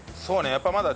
やっぱりまだ。